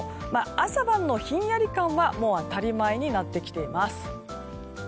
朝晩のひんやり感はもう当たり前になってきています。